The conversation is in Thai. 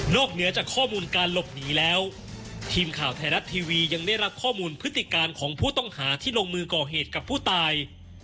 เหนือจากข้อมูลการหลบหนีแล้วทีมข่าวไทยรัฐทีวียังได้รับข้อมูลพฤติการของผู้ต้องหาที่ลงมือก่อเหตุกับผู้ตาย